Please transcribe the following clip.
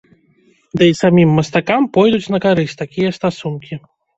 Ды і самім мастакам пойдуць на карысць такія стасункі.